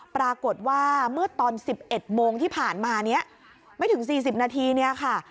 ปรากฏว่าเมื่อตอนสิบเอ็ดโมงที่ผ่านมาเนี้ยไม่ถึงสี่สิบนาทีเนี้ยค่ะ